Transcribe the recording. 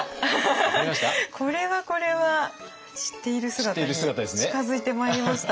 これはこれは知っている姿に近づいてまいりました。